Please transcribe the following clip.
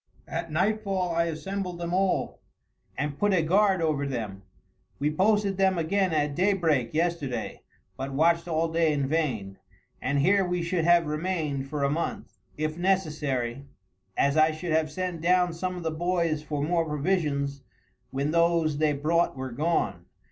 At nightfall I assembled them all, and put a guard over them. We posted them again at daybreak yesterday, but watched all day in vain, and here we should have remained for a month if necessary, as I should have sent down some of the boys for more provisions when those they brought were gone.